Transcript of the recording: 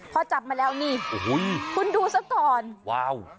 พอจับมาแล้วนี่อุ้ยคุณดูสักก่อนว้าว